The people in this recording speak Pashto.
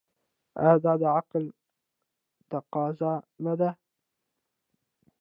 آیا دا د عقل تقاضا نه ده؟